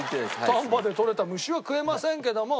丹波で捕れた虫は食えませんけども。